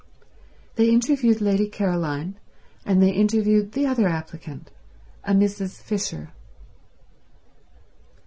They interviewed Lady Caroline, and they interviewed the other applicant, a Mrs. Fisher.